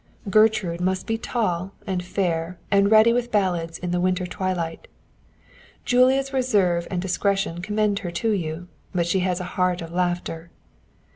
Gertrude must be tall and fair and ready with ballads in the winter twilight. Julia's reserve and discretion commend her to you; but she has a heart of laughter.